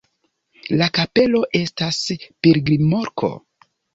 La kapelo estas pilgrimloko.